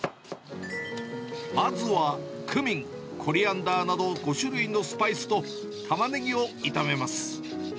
まずはクミン、コリアンダーなど５種類のスパイスと、たまねぎを炒めます。